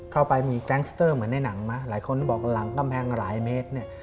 เข้าไปมีแก๊งสเตอร์เหมือนในหนังไหมหลายคนก็บอกหลังกำแพงหลายเมตรเนี่ย